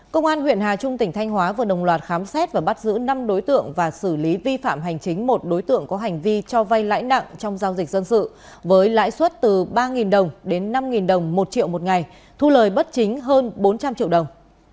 công an huyện hà trung tỉnh thanh hóa vừa đồng loạt khám xét và bắt giữ năm đối tượng và xử lý vi phạm hành chính một đối tượng có hành vi cho vay lãi nặng trong giao dịch dân sự với lãi suất từ ba đồng đến năm đồng một triệu một ngày thu lời bất chính hơn bốn trăm linh triệu đồng